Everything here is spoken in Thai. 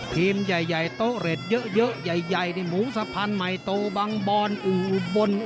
ทีมใหญ่เตาเล็ดเยอะหูสะพานไหมโตบังบอนอูบน